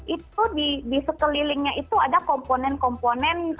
itu di sekelilingnya itu ada komponen komponen